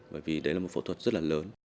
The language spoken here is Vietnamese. bởi vì đấy là một phẫu thuật rất là lớn